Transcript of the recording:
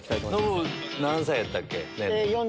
ノブ何歳やったっけ？